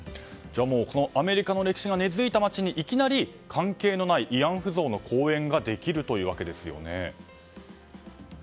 じゃあ、もうアメリカの歴史が根付いた場所にいきなり関係のない慰安婦像の公園ができるというわけですよね。